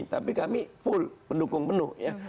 tapi kami full pendukung penuh ya